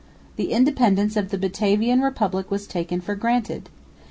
The independence of the Batavian Republic was taken for granted.